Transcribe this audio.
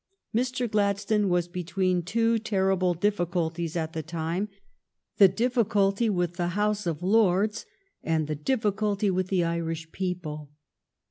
Mr. Gladstone was between two terrible diffi culties at the time, the difficulty with the House of Lords and the difficulty with the Irish people.